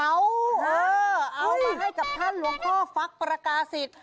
เอามาให้กับท่านหลวงพ่อฟักประกาศิษย์